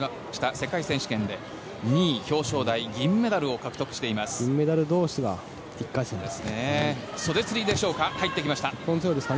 世界選手権で２位、表彰台で銀メダル同士が１回戦です。